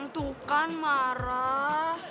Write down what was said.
tuh kan marah